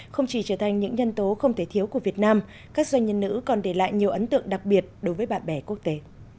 không chỉ trở thành những nhân tố không thể thiếu của việt nam các doanh nhân nữ còn để lại nhiều ấn tượng đặc biệt đối với bạn bè quốc tế